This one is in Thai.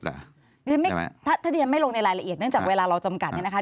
ถ้าที่ยังไม่ลงในรายละเอียดเนื่องจากเวลาเราจำกัด